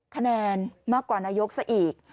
คะแนนมากกว่านายกซะอีก